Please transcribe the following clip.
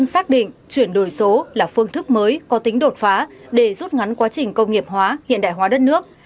xác định chuyển đổi số là phương thức mới có tính đột phá để rút ngắn quá trình công nghiệp hóa hiện đại hóa đất nước